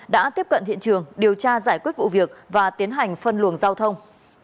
đã tiếp cận hiện trường điều tra giải quyết vụ việc và tiến hành phân luồng giao thông